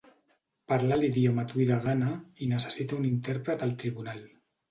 Parla l'idioma twi de Ghana i necessita un intèrpret al tribunal.